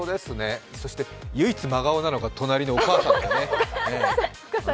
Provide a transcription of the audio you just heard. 唯一真顔なのが、隣のお母さんですね。